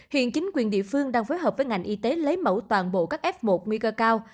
hiện chính quyền địa phương đang phối hợp với ngành y tế lấy mẫu toàn bộ các f một nguy cơ cao